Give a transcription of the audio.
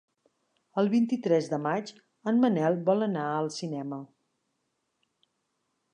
El vint-i-tres de maig en Manel vol anar al cinema.